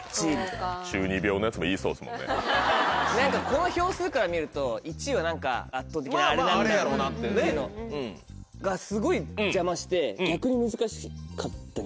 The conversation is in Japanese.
この票数から見ると１位は何か圧倒的なあれなんだろうなっていうのがすごい邪魔して逆に難しかったんだけど。